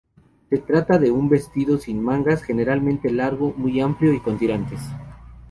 Se trata de un vestido sin mangas, generalmente largo, muy amplio y con tirantes.